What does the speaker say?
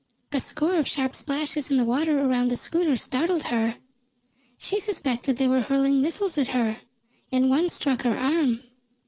A score of sharp splashes in the water around the schooner startled her. She suspected they were hurling missiles at her, and one struck her arm.